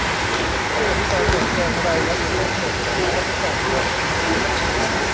ช่วยอธิบายแจกแจงรายละเอียดทั้งหมดของค่าใช้จ่ายด้วย